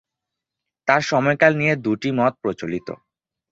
তার সময়কাল নিয়ে দুটি মত প্রচলিত।